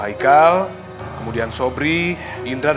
ikut kalian semua cepet